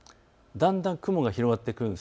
だんだん雲が広がってくるんです。